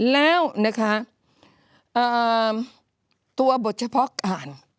แล้วนะคะตัวบทเฉพาะการ